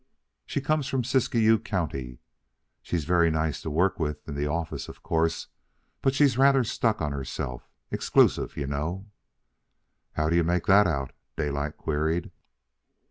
"She comes from Siskiyou County. She's very nice to work with in the office, of course, but she's rather stuck on herself exclusive, you know." "How do you make that out?" Daylight queried.